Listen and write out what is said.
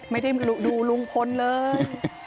ไม่ได้ดูลุงพลเลย